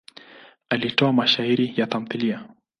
Alitoa mashairi na tamthiliya.